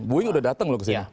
boeing udah datang loh kesini